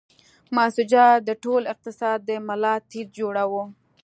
منسوجات د ټول اقتصاد د ملا تیر جوړاوه.